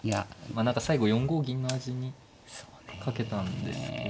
まあ何か最後４五銀の味にかけたんですけど。